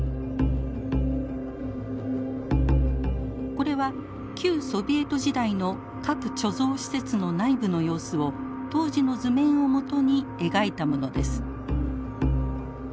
これは旧ソビエト時代の核貯蔵施設の内部の様子を当時の図面を基に描いたものです。